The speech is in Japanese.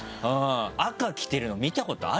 赤着てるの見たことある？